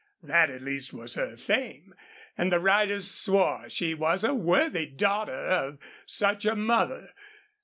That, at least, was her fame, and the riders swore she was a worthy daughter of such a mother.